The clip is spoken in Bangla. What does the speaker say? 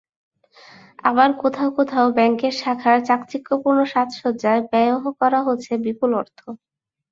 আবার কোথাও কোথাও ব্যাংকের শাখার চাকচিক্যপূর্ণ সাজসজ্জায় ব্যয়ও করা হচ্ছে বিপুল অর্থ।